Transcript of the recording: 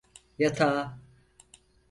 Yatağa!